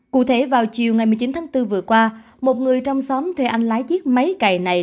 cụ thể vào chiều ngày một mươi chín tháng bốn vừa qua một người trong xóm thuê anh lái chiếc máy cày này